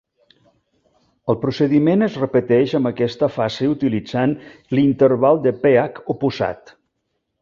El procediment es repeteix amb aquesta fase utilitzant l'interval de pH oposat.